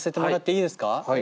いいです。